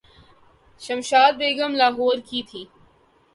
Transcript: شمشاد بیگم لاہورکی تھیں۔